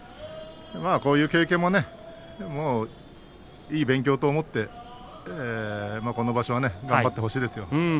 こういう経験もいい勉強と思ってこの場所は頑張ってほしいです。